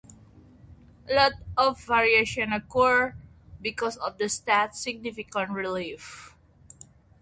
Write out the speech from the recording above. A lot of variations occur because of the state's significant relief.